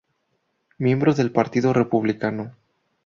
Miembro del Partido Republicano.